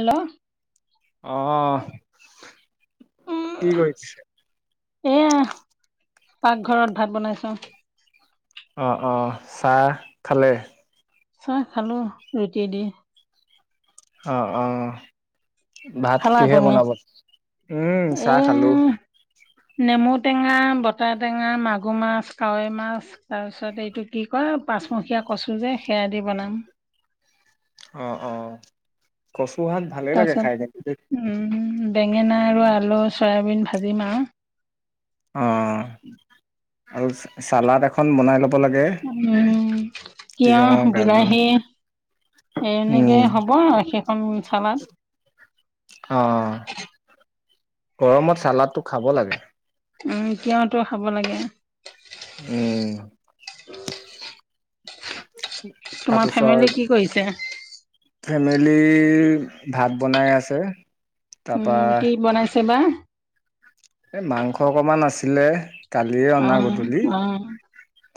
Hello অ, কি কৰিছে? এইয়া পাকঘৰত ভাত বনাইছো। অ অ, চাহ খালে? চাহ খালো ৰুটি দি। অ অ, ভাত খালা কিহে তুমি বনাব? উম এ চাহ খালো। নেমু টেঙা, বতাহ টেঙা, মাগুৰ মাছ, কাৱৈ মাছ। তাৰ পিছত এইটো কি কয় পাঁচমুখীয়া কচু যে সেয়া দি বনাম। অ অ, কচু শাক ভালে লাগে খাই এনেকে দেই উম উম বেঙেনা আৰু আলু চয়াবিন ভাজিম আৰু অ [unintelligible] আৰু চালড এখন বনাই ল'ব লাগে। উম তিয়হ, বিলাহী এ এনেকে উম, হ'ব সেইখন চালাত অ গৰমত চালাডটো খাব লাগে উম তিয়হ খাব লাগে উম [unintelligible] তোমাৰ ফেমিলী কি কৰিছে ফেমিলী ভাত বনাই আছে তাৰপা উম কি বনাইছে বা এই মাংস অকণমান আছিলে কালিয়ে অনা অ', গধূলি অ',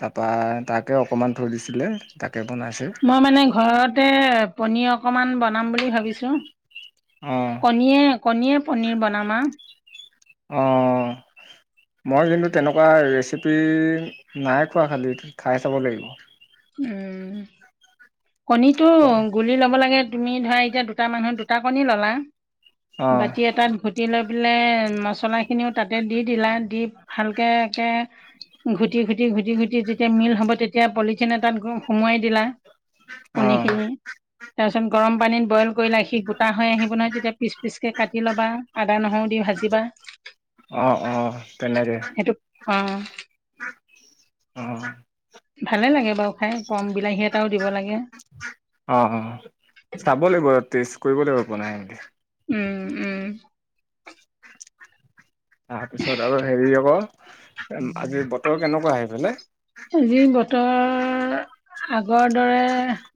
তাৰপা তাকে অকমান থৈ দিছিলে তাকে বনাইছে মই মানে ঘৰতে পনীৰ অকমান বনাম বুলি ভাবিছো অ কণীয়ে কণীয়ে পনীৰ বনামা অ মই কিন্তু তেনেকুৱা ৰেচিপি নাই খোৱা খালী খাই চাব লাগিব উম কণীটো গোল লি লব লাগে তুমি ধৰা এতিয়া দুটা মানুহ দুটা কণী ললা, অঁ বাতি এটা দি লৈ পেলাই মছলাখিনিও তাতে দি দিলা দি ভালকে একে ঘুটি ঘুটি ঘুটি ঘুটি যেতিয়া মিল হ'ব তেতিয়া পলি ঠিন এটাত সোমোৱাই দিলা কণী অঁ খিনি তাৰপিছত গৰম পানীত বইল কৰিলে সি গোটা হৈ আহি বনাই তেতিয়া পিচ পিচ কে কাটি ল'বা আদা নহৰু দি ভাজিবা অ অ তেনে কে সেইটো অ অ ভালে লাগে বাৰু খাই কম বিলাহীয়ে অ অ চাব লাগিব টেষ্ট কৰিব লাগিব বনাই এনেকে উম উম তাৰপিছত আৰু হেৰি আক আজি বতৰ কেনেকুৱা সেইফালে যি বতৰ আগৰ দৰে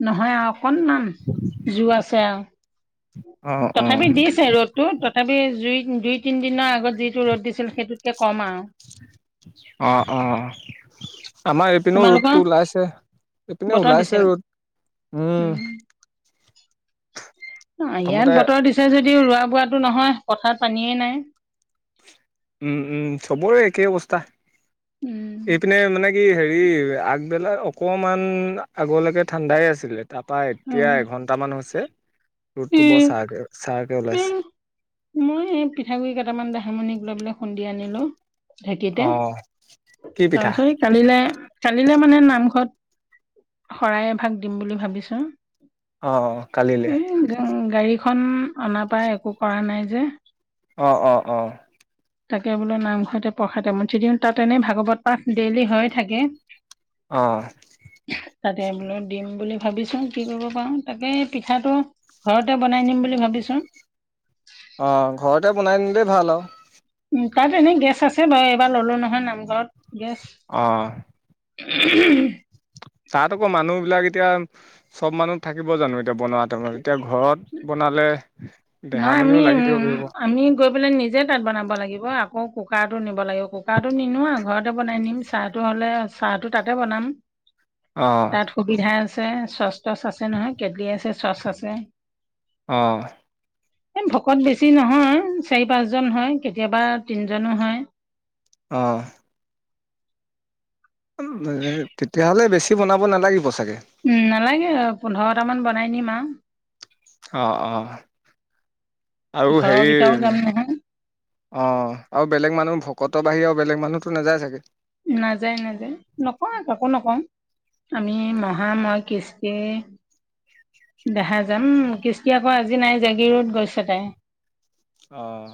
নহয় আউ অকন মান জোৰ আছে আৰু অঁ অঁ তথাপি দিছে ৰ'দ তো তথাপি জুই দুই তিনিদিনৰ আগত যিটো ৰ'দ দিছিল সেইটোতকে কম আৰু অ অ আমাৰ এইপিনেও তোমালোকৰ ৰ'দটো ওলাইছে এইপিনে বতৰ ওলাইছে দিছিল ৰ'দ উম প্ৰথমতে ইয়াত বতৰ দিছে যদিও ৰোৱা বোৱাটো নহয় পথাৰত পানীয়ে নাই উম উম চবৰে একেই অৱস্থা উম এইপিনে মানে কি, হেৰি আগবেলা অকমান আগলৈকে ঠাণ্ডাই আছিলে। তাৰপৰা অ এতিয়া এঘণ্টামান হৈছে। ৰ'দটো বৰ উম চাকে- ছায়াকে উম ওলাইছে। মই এই পিঠাগুৰি কেইটামান দেহামণিক লৈ পেলাই খুন্দি আনিলোঁ। ঢেঁকীতে। অ' কি পিঠা তাৰপিছত কালিলে কালিলে মানে নামঘৰত শৰাই এভাগ দিম বুলি ভাবিছো অ অ কালিলৈ এই গাড়ীখন অনাপাই একো কৰা নাই যে অ অ অ তাকে বোলো নামঘৰতে প্ৰসাদ এমুঠি দিওঁ। তাত এনে ভাগৱত পাঠ ডেইলি হৈ থাকে। [inaudible] অ'। তাতে বোলো দিম বুলি ভাবিছোঁ, কি কৰিব পাৰোঁ। তাকে পিঠাটো ঘৰতে বনাই নিম বুলি ভাবিছোঁ। অ' ঘৰতে বনাই নিলেই ভাল আও। উম, তাত এনেই গেছ আছে বাৰু। এইবাৰ ললো নহয় নামঘৰত গেছ। অ'। উ তাত আকৌ মানুহবিলাক এতিয়া চব মানুহ থাকিব জানো এতিয়া বনোৱা টাইমত? এতিয়া ঘৰত বনালে, নাই আমি দেহামণিও লাগি দিব উম পাৰিব। আমি গৈ পেলাই নিজে তাত বনাব লাগিব। আকৌ কুকাৰতো নিব লাগিব। কুকাৰটো নিনো আও। ঘৰতে বনাই নিম। চাহটো হ'লে, চাহটো তাতে বনাম। অ'। তাত সুবিধা আছে, ছচ-তচ আছে নহয়। কেটলি আছে, ছচ আছে। অ'। এই ভকত বেছি নহয়, চাৰি-পাঁচজন হয়। কেতিয়াবা তিনিজনো হয়। অ'। উম- তেতিয়াহ'লে বেছি বনাব নালাগিব চাগে। উম নালাগে। পোন্ধৰটামান বনাই নিম আও। অ' - অ'। আৰু ঘৰৰ হেৰি কেইটাও যাম নহয় অ'। আৰু বেলেগ মানুহ- ভকত বাহিৰে আৰু বেলেগ মানুহতো নাযায় চাগে। নাযায় - নাযায়। নকওঁএ, কাকো নকওঁ। আমি, মহা, ম‌ই, কৃষ্টি দেহা যাম। কৃষ্টি আকৌ আজি নাই, জাগীৰোড গৈছে তাই। অ'।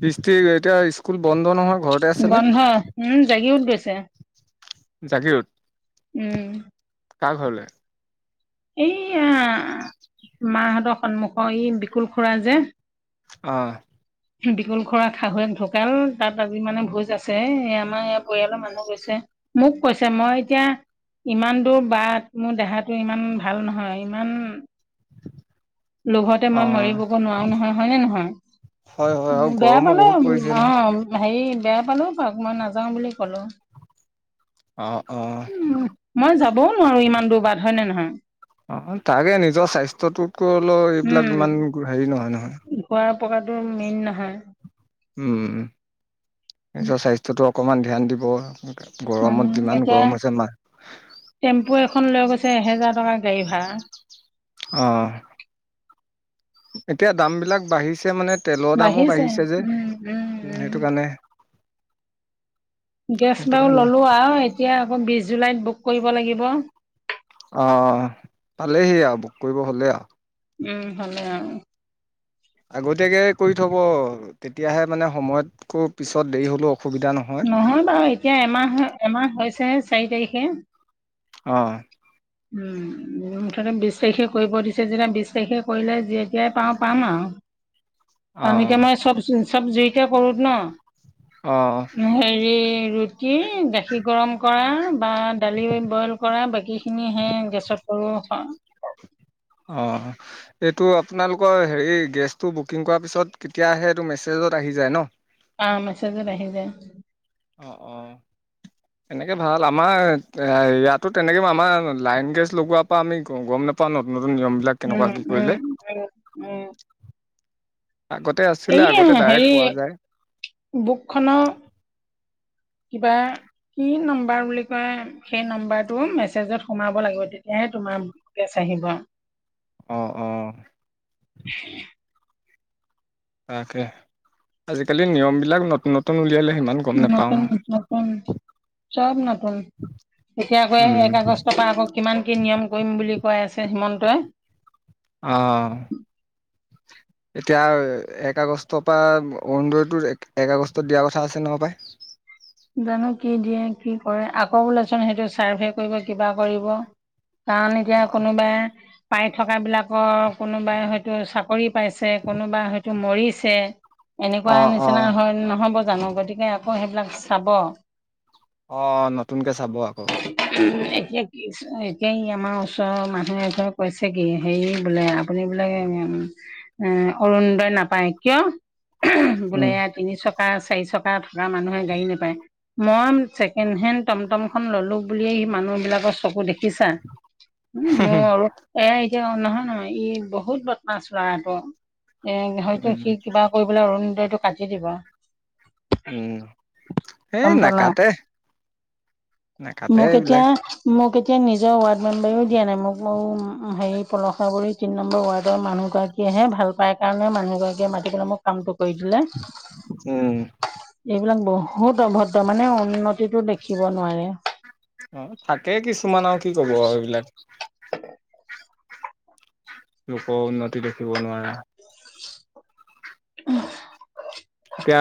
কৃষ্টিৰ এতিয়া স্কুল বন্ধ নহয়? ঘৰতে আছেনে বন্ধ। উম, জাগীৰোড গৈছে। জাগীৰোড? উম। কাৰ ঘৰলৈ? এইয়া মাহঁতৰ সন্মুখৰ এই বিকুল খুৰা যে অ'। উ [inaudible] বিকল খুৰা শাহুৱেক ঢুকাল। তাত আজি মানে ভোজ আছে। এ আমাৰ ইয়াৰ পৰিয়ালৰ মানুহ গৈছে। মোক কৈছে। মই এতিয়া ইমান দূৰ বাট মোৰ দেহাটো ইমান ভাল নহয়। ইমান লোভতে অ মই মৰিবগৈ নোৱাৰো নহয়, হয় নে নহয়? হয় হয় উম, আৰু বেয়া গৰমো পালে অ'। বহুত পৰিছে নহয় হেৰি বেয়া পালেও পাওঁক, মই নাযাওঁ বুলি ক'লোঁ। অ উম, মই যাবও নোৱাৰোঁ ইমান দূৰ বাট, হয় নে নহয়? অ'! তাকে, নিজৰ স্বাস্থ্যটোতকৈ লৈ এইবিলাক ইমান হেৰি নহয়। খোৱা [unintelligible] মেইন নহয়। উম! নিজৰ স্বাস্থ্যটো অকণমান ধ্যান দিব। উম! গৰমত যিমান এতিয়া, গৰম হৈছে মা টেম্পু এখন লৈ গৈছে, এহেজাৰ টকাৰ গাড়ী ভাড়া। অ'। এতিয়া দামবিলাক বাঢ়িছে মানে তেলৰ দামো বাঢ়িছে যে। উম, সেইটো কাৰণে। গেছ সেইটো বাৰু কাৰণে ললোঁ আও। এতিয়া আকৌ বিশ জুলাইত বুক কৰিব লাগিব। অ' পালেহি আও, বুক কৰিব হ'লে আও। উম! ভালে আৰু। আগতীয়াকে কৰি থ'ব? তেতিয়াহে মানে, সময়তকৈ পিছত, দেৰি হ'লেও অসুবিধা নহয়। নহয় বাৰু! এতিয়া এমাহ, এমাহ হৈছে চাৰি তাৰিখে। অ'! উম! মুঠতে, বিশ তাৰিখে কৰিব দিছে যেতিয়া, বিশ তাৰিখে কৰিলে, যেতিয়াই পাওঁ, পাম আৰু। অ', [unintelligible] মই চব, চব জুইতে কৰোঁ অ', ন'। হেৰি কি? গাখীৰ গৰম কৰা বা দালি বইল কৰা, বাকীখিনি হে গেছত কৰোঁ। [unintelligible] অ'! এইটো, আপোনালোকৰ হেৰি, গেছটো বুকিং কৰাৰ পিছত, কেতিয়া আহে, এইটো মেছেজত আহি যায় ন'? অ'! মেছেজত আহি যায়। অ'! অ'! [inaudible] এনেকে ভাল। আমাৰ, ইয়াতো তেনেক আমাৰ, লাইন গেছ লগোৱাৰ পৰা আমি গম নাপাওঁ। নোপোৱা ন'? নতুন, নতুন নিয়ম বিলাক উম কেনেকুৱা কি উম কৰিলে। উম উম আগতে আছিলে, আগতে ডাইৰেক্ট পোৱা যায়। বুক খন, কিবা কি নম্বৰ বুলি কয়! সেই নম্বৰটো মেছেজত সোমাব লাগিব। তেতিয়াহে, তোমাৰ গেছ আহিব। অ'! অ'! [unintelligible] তাকে, আজিকালি নিয়ম বিলাক নতুন, নতুন উলিয়ালে। সিমান গম নাপাওঁ। নতুন, নতুন। চব নতুন। এতিয়া আকৌ, উম। এক আগষ্টৰ পৰা আকৌ কিমান, কি? নিয়ম কৰিম বুলি কৈ আছে হিমন্তই। অ'! এতিয়া, এক আগষ্টৰ পৰা, অৰুণোদয়টো এক আগষ্টত দিয়াৰ কথা আছে, নহয় পায়! জানোঁ! কি দিয়ে, কি কৰে? আকৌ বোলেচোন, সেইটো চাৰ্ভে কৰিব, কিবা কৰিব? কাৰণ, এতিয়া কোনোবাই পাই থকাবিলাকৰ কোনোবাই হয়তো! চাকৰি পাইছে, কোনোবাই হয়তো মৰিছে। এনেকুৱা অ অ নিচিনা হয়, নহ'ব জানোঁ? গতিকে, আকৌ সেইবিলাক চাব। অ'! নতুনকে চাব আকৌ। [unintelligible] এতিয়া কি, এতিয়া আমাৰ ওচৰৰ মানুহ এঘৰে কৈছে কি! হেৰি বোলে আপুনি বোলে, এ, অৰুণোদয় নাপায়। কিয়? [unintelligible] বোলে উম এইয়া, তিনি চকা, চাৰি চকা থকা মানুহে গাড়ী না নাপায়। মই ছেকেণ্ড হেণ্ড, টম টম খন ললোঁ বুলিয়েই, মানুহ বিলাকৰ চকু দেখি দেখিছা? মোৰ আৰু এইয়া, এতিয়া নহয়, নহয়। ই বহুত বদমাছ ল'ৰা আকৌ! এ, হয়তো সি, কিবা কৰিবলৈ অৰুণোদয়টো কাটি দিব। উম! এই গম পালা নেকাটে, নেকাটে মোক এতিয়া এইবিলাক। মোক এতিয়া, নিজৰ ৱাৰ্ড মেম্বাৰেও দিয়া নাই। মোক, মোৰ হেৰি, পলসুৱাগুৰি তিন নম্বৰ ৱাৰ্ডৰ মানুহগৰাকী সেয়েহে ভাল পায় কাৰণে মানুহগৰাকীয়ে মাতিবলে মোক কামটো কৰি দিলে। উম এইবিলাক বহু বহুত অভদ্ৰ মানে উন্নতিটো দেখিব নোৱাৰে। অ, থাকেই কিছুমান আৰু কি কব আৰু এইবিলাক। লোকৰ উন্নতি দেখিব নোৱাৰা। [unintelligible] এতিয়া,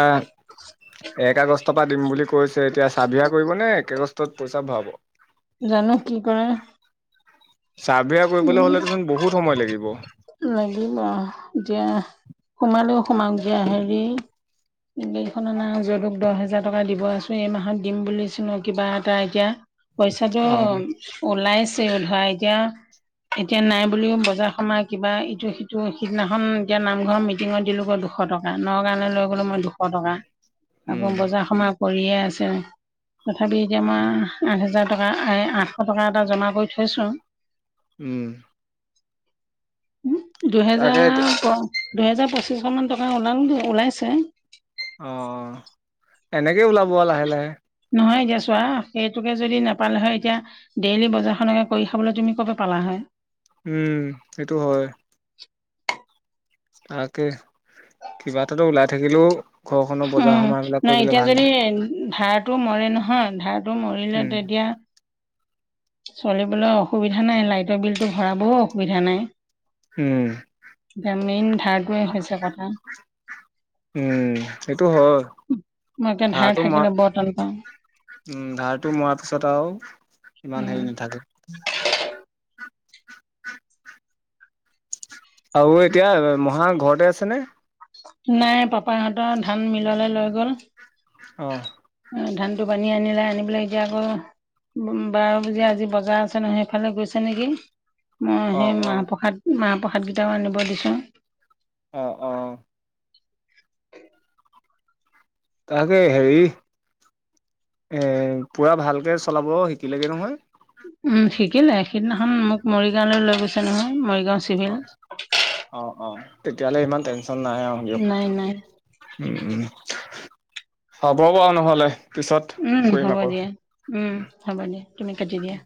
এক আগষ্টৰ পৰা দিম বুলি কৈছে। এতিয়া, চাৰভিয়া কৰিব নে? এক [unintelligible] পইচা ভৰাব। জানো কি কৰে। চাৰ্ভে কৰিবলে উম হ'লে চোন বহুত সময় লাগিব। লাগিব আও এতিয়া সোমালেও সোমাওক দিয়া। হেৰি গাড়ীখন আনা যদুক দহ হোজাৰ টকা দিব আছো এই মাহত দিম বুলিছো ন কিবা এটা এতিয়া পইচাটো অ ওলাইছে ধৰা এতিয়া এতিয়া নাই বুলিও বজাৰ সমাৰ কিবা ইটো সিটো সিদিনাখন এতিয়া নামঘৰৰ মিটিঙত দিলো গই দুশ শ টকা নগাঁও লৈ গ'লো মই দুশ টকা। আকৌ উম বজাৰ-সমাৰ কৰিয়ে আছে তথাপি এতিয়া আমাৰ আঠহাজাৰ টকা এই আঠশ টকা এটা জমা কৰি থৈছোঁ। উম। দুহেজাৰ তাকে দুহেজাৰ পঁচিশ মান টকা ওলাল ওলাইছে। অঁ এনেকে ওলাব আওঁ লাহে লাহে। নহয় এতিয়া চোৱা সেইটোকে যদি নাপালে হয় এতিয়া ডেইলি বজাৰখনকে কৰি খাবলৈ তুমি কপা পালা হয়? উম সেইটো হয়। তাকে কিবা এটাতো ওলাই থাকিলেও ঘৰখনৰ বজাৰ উম সমাৰ বিলাক নহয় কৰিবলে এতিয়া ভাল যদি হয় ধাৰত টো মৰে নহয় ধাৰটো মৰিলে উম তেতিয়া চলিবলৈ অসুবিধা নাই লাইটৰ বিলটো ভৰাবও অসুবিধা নাই। উম। এতিয়া মেইন ধাৰটোৱে হৈছে কটা। উম সেইটো হয় মই এতিয়া ধাৰ ধাৰটো মই থাকিলে বৰ টান পাওঁ উম ধাৰটো মৰাৰ পিছত আৰু ইমান উম হেৰি নাথাকে। আৰু এতিয়া মহা ঘৰতে আছেনে? নাই পাপাহঁতৰ ধান মিললে লৈ গ'ল। অ। ধানটো বানী আনিলে আনি পেলাই এতিয়া আকৌ বাৰপূজীয়াৰ আজি বজাৰ আছে নহয় সেইফালে গৈছে নেকি! মই অ সেই অ মাহ প্ৰসাদ মাহ প্ৰসাদ গিটাও আনিব দিছো। অ-অ। তাকে হেৰি এ পুৰা ভালকে চলাব শিকিলেগে নহয়? উম শিকিলে সিদিনাখন মোক মৰিগাঁওলৈ লৈ গৈছে নহয় মৰিগাঁও চি অ, অ-অ তেতিয়াহলে ইমান টেনচন নাই আৰু দিয়ক। নাই নাই উম, হ'ব বাৰু নহ'লে। পিছত উম কৰিম হ'ব আকৌ দিয়া, উম হ'ব দিয়া তুমি কাটি দিয়া।